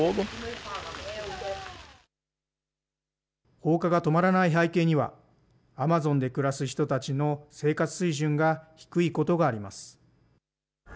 放火が止まらない背景には、アマゾンで暮らす人たちの生活水準が低いことがあります。